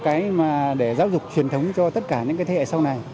cái mà để giáo dục truyền thống cho tất cả những cái thế hệ sau này